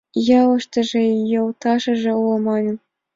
Ялыштыже йолташыже уло манын.